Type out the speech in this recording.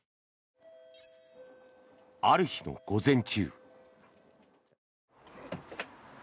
ある日の午前中。